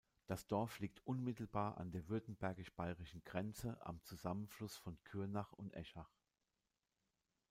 Das Dorf liegt unmittelbar an der württembergisch-bayerischen Grenze am Zusammenfluss von Kürnach und Eschach.